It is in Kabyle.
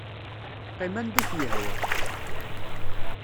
Qqim anda i k-yehwa.